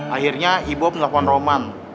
akhirnya ibu nelfon roman